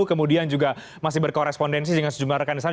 kemudian juga masih berkorespondensi dengan sejumlah rekan di sana